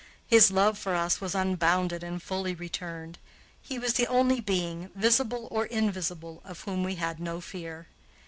His love for us was unbounded and fully returned. He was the only being, visible or invisible, of whom we had no fear.